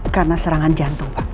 karena serangan jantung pak